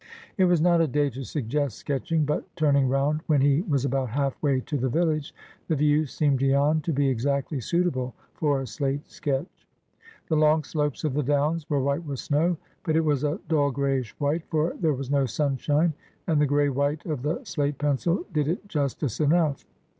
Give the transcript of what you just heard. It was not a day to suggest sketching, but, turning round when he was about half way to the village, the view seemed to Jan to be exactly suitable for a slate sketch. The long slopes of the downs were white with snow; but it was a dull grayish white, for there was no sunshine, and the gray white of the slate pencil did it justice enough.